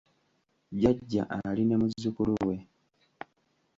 Jjajja ali ne muzzukulu we.